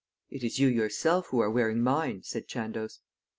"It is you yourself who are wearing mine," said Chandos.